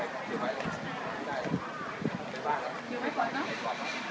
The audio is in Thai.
ขอโทษนะครับ